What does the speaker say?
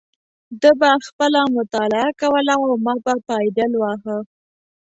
ده به خپله مطالعه کوله او ما به پایډل واهه.